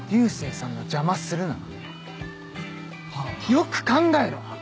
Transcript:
よく考えろ！